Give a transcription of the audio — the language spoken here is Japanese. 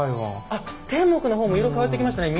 あっ天目の方も色変わってきましたね。